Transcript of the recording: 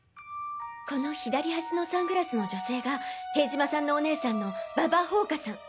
この左端のサングラスの女性が塀島さんのお姉さんの馬場宝華さん。